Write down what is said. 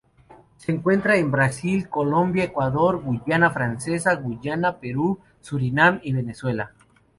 Se encuentra en Brasil, Colombia, Ecuador, Guayana francesa, Guyana, Perú, Surinam y Venezuela.